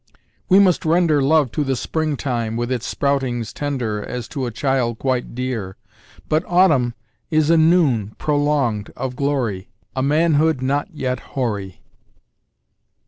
We must render Love to the Spring time, with its sproutings tender, As to a child quite dear But autumn is a noon, prolonged, of glory A manhood not yet hoary.